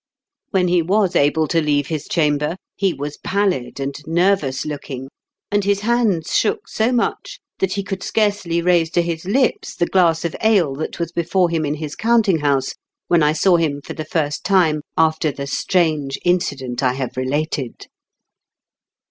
When he was able to leave his chamber, he was pallid and nervous looking, and his hands shook so much that he could scarcely raise to 176 IN KENT WITH GEABLE8 DICKENS. his lips the glass of ale that was before him in his counting house, when I saw him for the first time after the strange incident I have related.